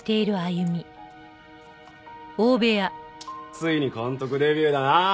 ついに監督デビューだな！